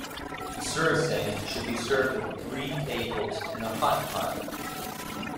The "surasang" should be served with three tables and a hotpot.